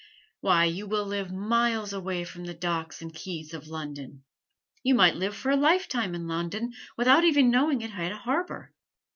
"Why, you will live miles away from the docks and quays of London. You might live for a lifetime in London without ever knowing it had a harbor.